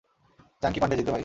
চাঙ্কি পান্ডে জিতবে ভাই।